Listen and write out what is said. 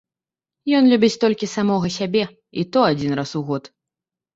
Ён любіць толькі самога сябе і то адзін раз у год